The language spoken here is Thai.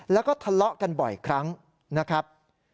แล้วก็ทะเลาะกันบ่อยครั้งนะครับ